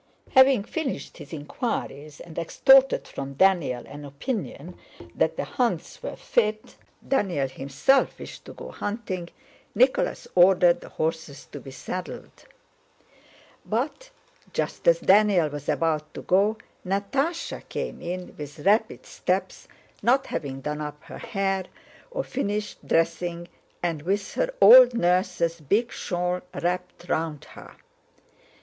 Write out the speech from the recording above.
Having finished his inquiries and extorted from Daniel an opinion that the hounds were fit (Daniel himself wished to go hunting), Nicholas ordered the horses to be saddled. But just as Daniel was about to go Natásha came in with rapid steps, not having done up her hair or finished dressing and with her old nurse's big shawl wrapped round her.